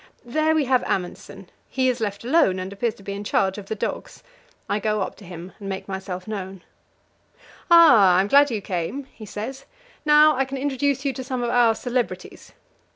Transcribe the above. There we have Amundsen; he is left alone, and appears to be in charge of the dogs. I go up to him and make myself known. "Ah, I'm glad you came," he says; "now I can introduce you to some of our celebrities.